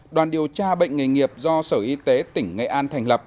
đoàn điều tra bệnh nghề nghiệp do sở y tế tỉnh nghệ an thành lập